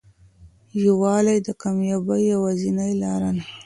یووالی د کامیابۍ یوازینۍ لاره ده.